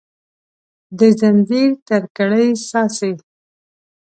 د ځنځیر تر کړۍ څاڅي